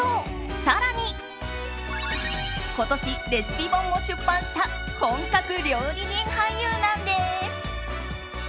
更に、今年レシピ本も出版した本格料理人俳優なんです。